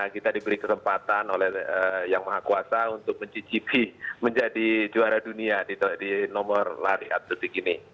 kita diberi kesempatan oleh yang maha kuasa untuk mencicipi menjadi juara dunia di nomor lari atletik ini